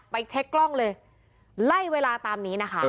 เช็คกล้องเลยไล่เวลาตามนี้นะคะ